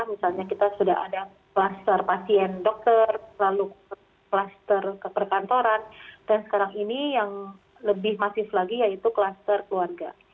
misalnya kita sudah ada kluster pasien dokter lalu kluster ke perkantoran dan sekarang ini yang lebih masif lagi yaitu kluster keluarga